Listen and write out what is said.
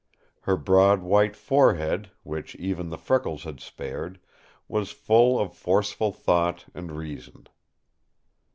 Her broad white forehead, which even the freckles had spared, was full of forceful thought and reason.